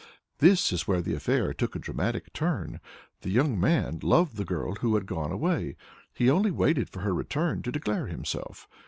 This is where the affair took a dramatic turn. The young man loved the girl who had gone away; he only waited for her return to declare himself.